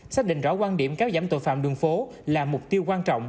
xác định rõ quan điểm kéo giảm tội phạm đường phố là mục tiêu quan trọng